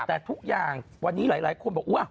แต่ทุกอย่างวันนี้หลายคนบอก